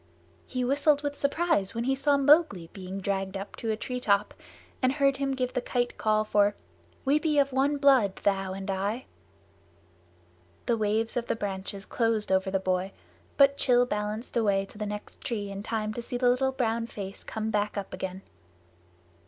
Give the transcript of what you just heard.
He whistled with surprise when he saw Mowgli being dragged up to a treetop and heard him give the Kite call for "We be of one blood, thou and I." The waves of the branches closed over the boy, but Rann balanced away to the next tree in time to see the little brown face come up again.